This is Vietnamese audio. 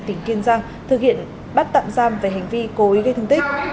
tỉnh kiên giang thực hiện bắt tạm giam về hành vi cố ý gây thương tích